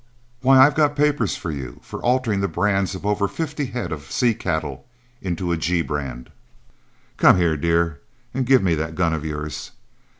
Why, I've got papers for you; for altering the brands on over fifty head of 'C' cattle into a 'G' brand. Come here, dear, and give me that gun of yours.